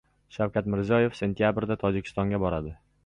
Shavkat Mirziyoyev sentyabrda Tojikistonga boradi